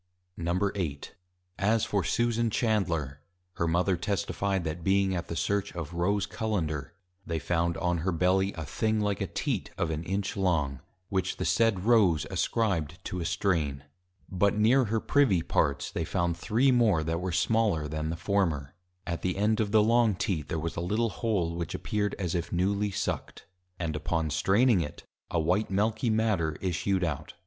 VIII. As for Susan Chandler, her Mother Testified, That being at the search of Rose Cullender, they found on her Belly a thing like a Teat, of an Inch long; which the said Rose ascribed to a strain. But near her Privy parts, they found Three more, that were smaller than the former. At the end of the long Teat, there was a little Hole, which appeared, as if newly Sucked; and upon straining it, a white Milky matter issued out.